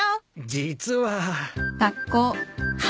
実は。